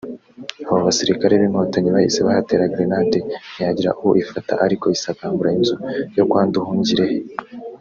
abo basirikire b’inkotanyi bahise bahatera grenade ntiyagira uwo ifata ariko isakambura inzu yo kwa Nduhungirehe